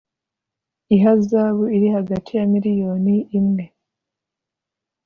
ihazabu iri hagati ya miliyoni imwe